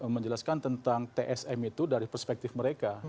menjelaskan tentang tsm itu dari perspektif mereka